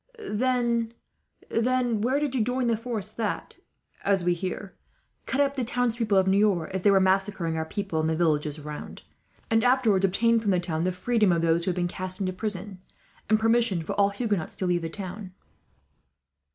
"Then where did you join the force that, as we hear, cut up the townspeople of Niort as they were massacring our people in the villages round, and afterwards obtained from the town the freedom of those who had been cast into prison, and permission for all Huguenots to leave the town?"